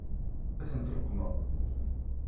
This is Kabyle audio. Ad tent-tleqqmeḍ?